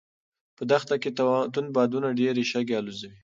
په دښته کې توند بادونه ډېرې شګې الوځوي.